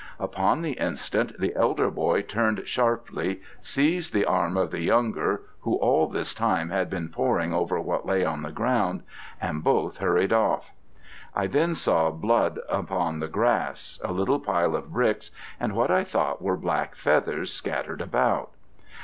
Upon the instant the elder boy turned sharply, seized the arm of the younger (who all this time had been poring over what lay on the ground), and both hurried off. I then saw blood upon the grass, a little pile of bricks, and what I thought were black feathers scattered about.